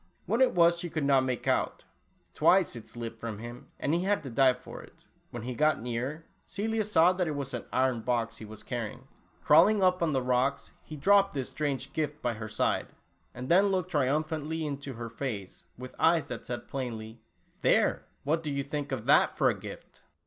What it was she could not make out. Twice it slipped from him and he had to dive for it. When he got nearer, Celia saw that it was an iron box, he was carrying. Crawling up on the rocks, he dropped this strange gift by her side, and then looked triumphantly into her face with eyes that said plainly, "There, what do you think of that for a gift